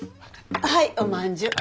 はいおまんじゅう。